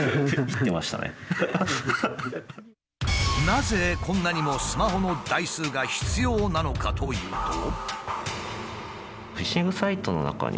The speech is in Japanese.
なぜこんなにもスマホの台数が必要なのかというと。